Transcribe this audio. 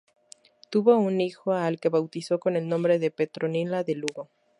Tuvo un hijo, al que bautizó con el nombre de Petronila de Lugo.